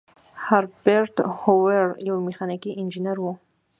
هربرت هوور یو میخانیکي انجینر و.